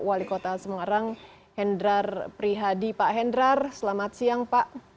wali kota semarang hendrar prihadi pak hendrar selamat siang pak